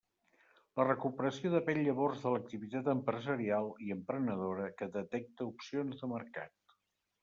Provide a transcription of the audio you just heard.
La recuperació depén llavors de l'activitat empresarial i emprenedora que detecta opcions de mercat.